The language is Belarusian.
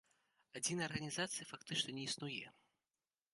Адзінай арганізацыі фактычна не існуе.